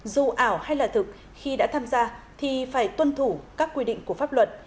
dù ảo hay là thực khi đã tham gia thì phải tuân thủ các quy định của pháp luật